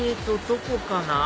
どこかな？